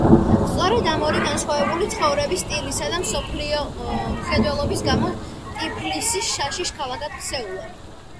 სწორედ ამ ორი განსხვავებული ცხოვრების სტილისა და მსოფლმხედველობის გამო ტიფლისი საშიშ ქალაქად ქცეულა.